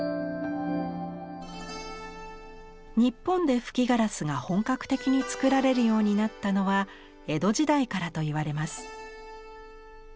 日本で吹きガラスが本格的に作られるようになったのは江戸時代からといわれます。